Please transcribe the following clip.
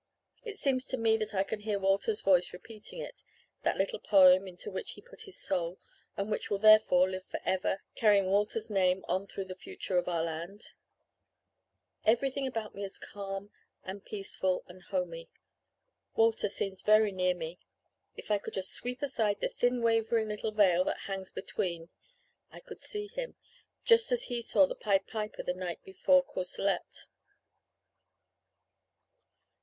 It seems to me that I can hear Walter's voice repeating it that little poem into which he put his soul, and which will therefore live for ever, carrying Walter's name on through the future of our land. Everything about me is calm and peaceful and 'homey.' Walter seems very near me if I could just sweep aside the thin wavering little veil that hangs between, I could see him just as he saw the Pied Piper the night before Courcelette.